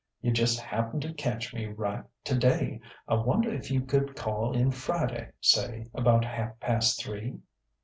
You just happened to catch me right, today.... I wonder if you could call in Friday, say, about half past three?"